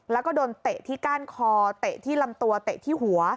แล้วก็โดนเตะที่ก้านคอเตะที่ลำตัวเตะที่หัว